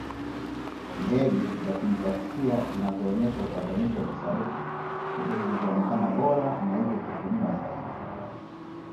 ngeli za kisintaksia zinazoonyesha upatanisho wa kisarufi ndizo zilizoonekana bora na hivyo kutumiwa zaidi